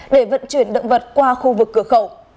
để vận chuyển động vật qua khu vực cửa khẩu